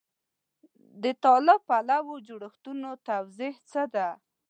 د طالب پالو جوړښتونو توضیح څه ده.